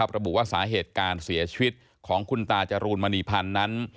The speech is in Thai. ระบุว่าสาเหตุการเสียชีวิตของคุณตาจรูนมณีพันธ์นั้น